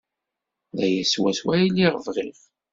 D aya swaswa ay lliɣ bɣiɣ.